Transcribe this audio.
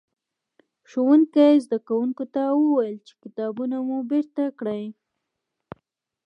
ښوونکي؛ زدکوونکو ته وويل چې کتابونه مو بېرته کړئ.